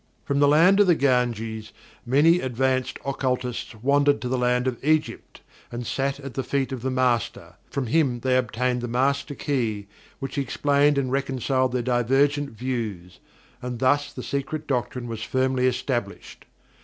From the land of the Ganges many advanced occultists wandered to the land of Egypt, and sat at the feet of the Master. From him they obtained the Master Key which explained and reconciled their divergent views, and thus the Secret Doctrine was firmly established.